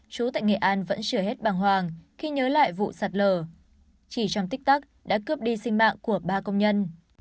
chú tại nghệ an vẫn chưa hết bằng hoàng khi nhớ lại vụ sạt lở chỉ trong tích tắc đã cướp đi sinh mạng của ba công nhân